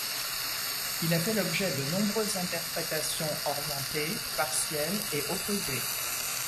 Il a fait l’objet de nombreuses interprétations orientées, partielles et opposées.